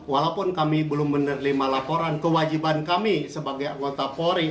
walaupun kami belum menerima laporan kewajiban kami sebagai anggota polri